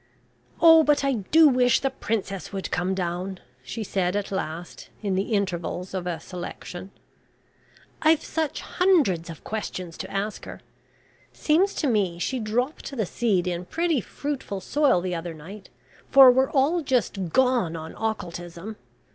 "Oh, but I do wish the Princess would come down," she said at last in the intervals of a "selection." "I've such hundreds of questions to ask her. Seems to me she dropped the seed in pretty fruitful soil the other night, for we're all just `gone' on occultism.